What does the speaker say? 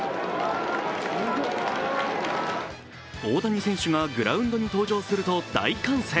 大谷選手がグラウンドに登場すると大歓声。